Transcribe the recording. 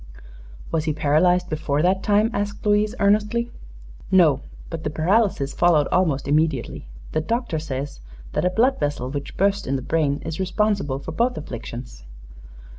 "Was he paralyzed before that time?" asked Louise, earnestly. "No; but the paralysis followed almost immediately. The doctor says that a blood vessel which burst in the brain is responsible for both afflictions."